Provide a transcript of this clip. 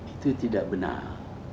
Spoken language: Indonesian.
itu tidak benar